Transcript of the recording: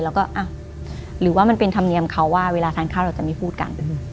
แล้วก็หรือว่ามันเป็นธรรมเนียมเขาว่าเวลาทานข้าวเราจะไม่พูดกัน